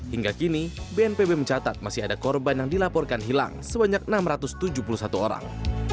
hingga kini bnpb mencatat masih ada korban yang dilaporkan hilang sebanyak enam ratus tujuh puluh satu orang